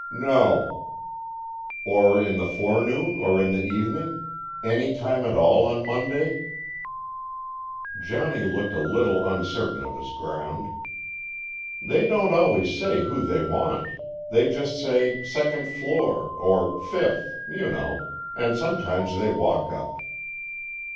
"No." "Or in the forenoon or in the evening? Any time at all on Monday?" Johnny looked a little uncertain of his ground. "They don't always say who they want. They just say 'Second floor,' or 'fifth,' you know. And sometimes they walk up."